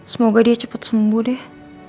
semoga dia cepat sembuh deh